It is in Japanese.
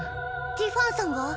ティファンさんが？